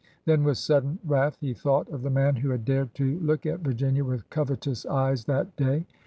Then with sudden wrath he thought of the man who had dared to look at Virginia with covetous eyes that day.